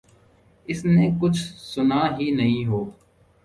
اس نے کچھ سنا ہی نہیں ہو۔